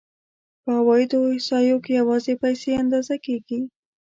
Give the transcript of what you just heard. په عوایدو احصایو کې یوازې پیسې اندازه کېږي